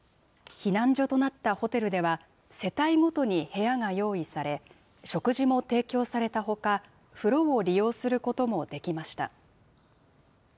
避難所となったホテルでは、世帯ごとに部屋が用意され、食事も提供されたほか、風呂を利用することもできました。